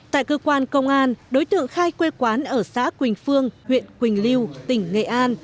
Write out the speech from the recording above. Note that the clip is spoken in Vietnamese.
tại cơ quan công an đối tượng khai quê quán ở xã quỳnh phương huyện quỳnh lưu tỉnh nghệ an